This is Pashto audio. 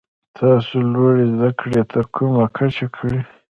تاسو لوړي زده کړي تر کومه کچه کړي ؟